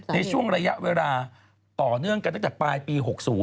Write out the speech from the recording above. ในช่วงระยะเวลาต่อเนื่องกันตั้งแต่ปลายปี๖๐